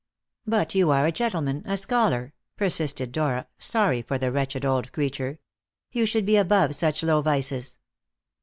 "But you are a gentleman, a scholar," persisted Dora, sorry for the wretched old creature; "you should be above such low vices."